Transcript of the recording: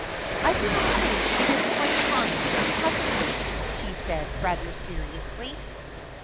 "I do not think it is quite kind and cousinly," she said, rather seriously.